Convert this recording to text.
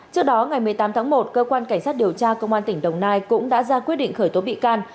trước đó ngày một mươi tám tháng một cơ quan cảnh sát điều tra công an tỉnh đồng nai cũng đã ra quyết định khởi tố bị can